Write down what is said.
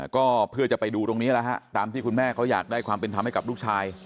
ก็เพื่อจะไปดูตรงนี้แล้วฮะตามที่คุณแม่เขาอยากได้ความเป็นธรรมให้กับลูกชาย